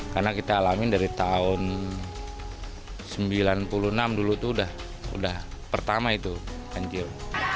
karena kita alamin dari tahun sembilan puluh enam dulu tuh udah pertama itu banjir